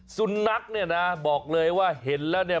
สุนัขเนี่ยนะบอกเลยว่าเห็นแล้วเนี่ย